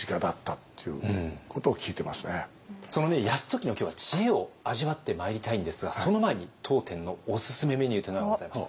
その泰時の今日は知恵を味わってまいりたいんですがその前に当店のおすすめメニューというのがございます。